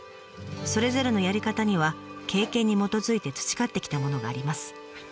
それぞれのやり方には経験に基づいて培ってきたものがあります。